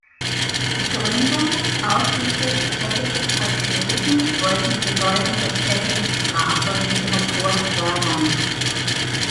Die Gründer, ausschließlich tschechische Patrioten, wollten die Bedeutung der tschechischen Sprache und Literatur fördern.